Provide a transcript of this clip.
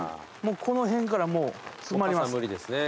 もうこの辺からもう詰まります。